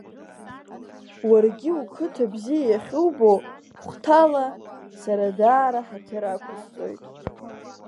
Уаргьы уқыҭа бзиа иахьубо, хәҭала, сара даара ҳаҭыр ақәысҵоит.